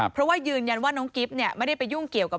เพราะว่ายืนยันว่าน้องกิ๊บเนี่ยไม่ได้ไปยุ่งเกี่ยวกับ